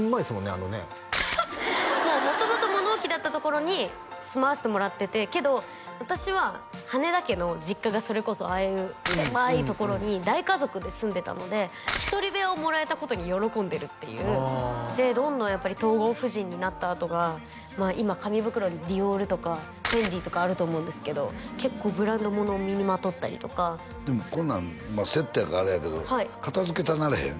あのねもう元々物置だったところに住まわせてもらっててけど私は羽田家の実家がそれこそああいう狭いところに大家族で住んでたので一人部屋をもらえたことに喜んでるっていうでどんどんやっぱり東郷夫人になったあとが今紙袋にＤＩＯＲとかＦＥＮＤＩとかあると思うんですけど結構ブランド物を身にまとったりとかでもこんなんセットやからあれやけど片づけたなれへん？